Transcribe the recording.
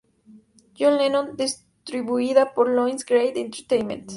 John Lennon", distribuida por Lions Gate Entertainment.